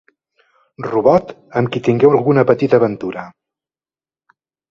Robot, amb qui tingué alguna petita aventura.